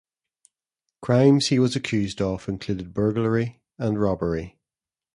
Crimes he was accused of included burglary and robbery.